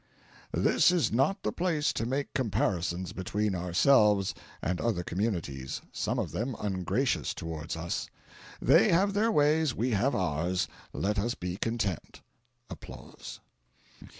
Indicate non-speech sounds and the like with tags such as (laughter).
This is not the place to make comparisons between ourselves and other communities some of them ungracious towards us; they have their ways, we have ours; let us be content. (applause)